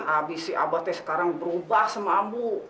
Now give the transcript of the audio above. abis si aba teh sekarang berubah sama ambu